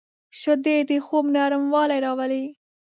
شیدې د خوب نرموالی راولي